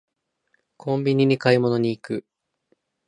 コンビニに買い物に行く